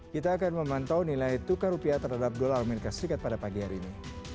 kita akan memantau nilai tukar rupiah terhadap dolar amerika serikat pada pagi hari ini